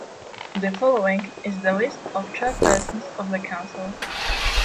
The following is the list of Chairpersons of the Council.